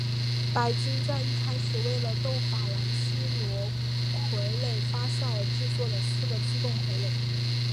白金在一开始为了逗法兰西奴傀儡发笑而制作的四个自动傀儡。